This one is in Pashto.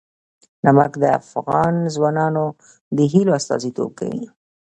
نمک د افغان ځوانانو د هیلو استازیتوب کوي.